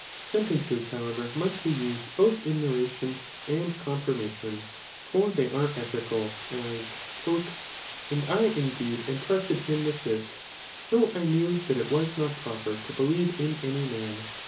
Sen^* fences, however, must be used both in narration and com firmation ; for they are ethical \ as, '* And I indeed en ^ trusted him with this, though I knew that it was not pfo« per to believe in any man.'